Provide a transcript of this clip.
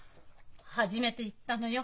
初めて言ったのよ。